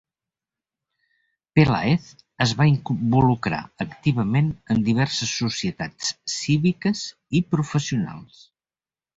Pelaez es va involucrar activament en diverses societats cíviques i professionals.